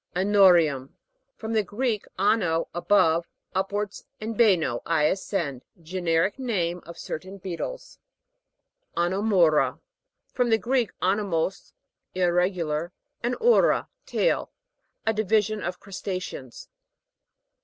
ANO'BIUM. From the Greek and, above, upwards, and baino, I ascend. Generic name of certain beetles. ANOMOU'RA. From the Greek, ano mos, irregular, and euro, tail. A division of crusta'ceans.